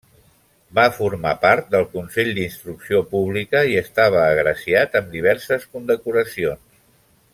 Va formar part del Consell d'Instrucció pública i estava agraciat amb diverses condecoracions.